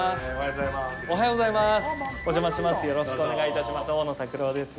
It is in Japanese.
おはようございます。